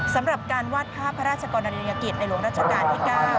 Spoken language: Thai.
สำหรับการวาดภาพพระราชกรณียกิจในหลวงรัชกาลที่๙